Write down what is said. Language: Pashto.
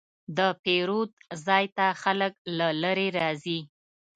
د پیرود ځای ته خلک له لرې راځي.